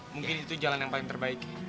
mungkin itu jalan yang paling terbaik